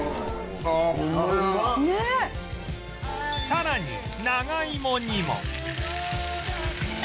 さらに長芋にも